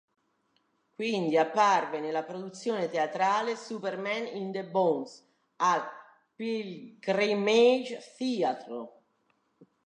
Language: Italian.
Quindi apparve nella produzione teatrale "Superman in the Bones" al "Pilgrimage Theatre".